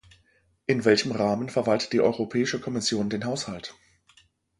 In welchem Rahmen verwaltet die Europäische Kommission den Haushalt?